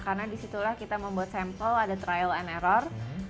karena disitulah kita membuat sampel ada trial and error